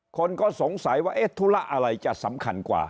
คนก็สงสัยว่าเอ๊ะธุระอะไรจะสำคัญกว่า